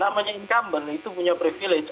namanya incumbent itu punya privilege